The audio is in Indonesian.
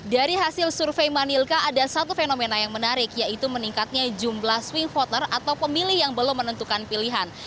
dari hasil survei manilka ada satu fenomena yang menarik yaitu meningkatnya jumlah swing voter atau pemilih yang belum menentukan pilihan